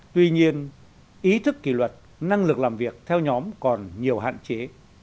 tuy nhiên ý thức kỷ luật năng lực làm việc theo nhóm còn nhiều hạn chế